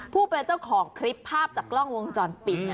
ผู้เป็นเจ้าของคลิปภาพจากกล้องวงจรปิด